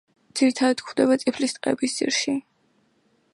ძირითადად გვხვდება წიფლის ტყეების ძირში.